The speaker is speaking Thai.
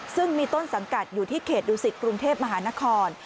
ซึ่งมีต้นสังกัดอยู่ที่เขตดูสิตกรุงเทพมหานคร